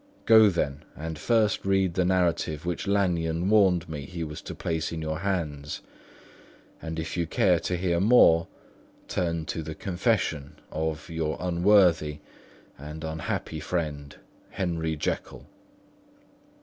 Go then, and first read the narrative which Lanyon warned me he was to place in your hands; and if you care to hear more, turn to the confession of "Your unworthy and unhappy friend, "HENRY JEKYLL."